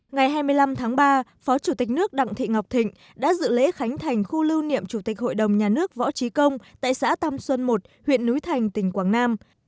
ngày hai mươi năm tháng ba phó chủ tịch nước đặng thị ngọc thịnh đã dự lễ khánh thành khu lưu niệm chủ tịch hội đồng nhà nước võ trí công tại xã tam xuân một huyện núi thành tỉnh quảng nam